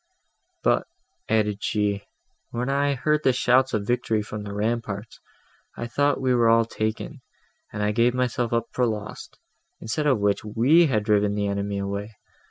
"But," added she, "when I heard the shouts of victory from the ramparts, I thought we were all taken, and gave myself up for lost, instead of which, we had driven the enemy away.